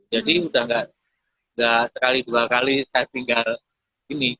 jadi udah gak sekali dua kali saya tinggal gini